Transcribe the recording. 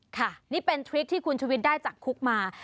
ค่ะนี่เป็นทริคที่คุณชุวิตได้จากคุกมา